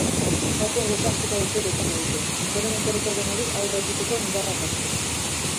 Bapo gosaltzeko aukera izango dute, ondoren etorriko denari aurre egiteko indarrak hartzeko.